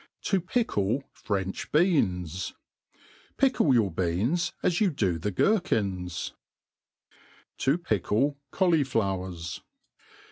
To pickle French BeOnt. FICKLE your beans as you do the gerkihs^ To pickle Caulijkwerf.